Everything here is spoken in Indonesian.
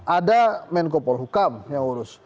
ada menko polhukam yang urus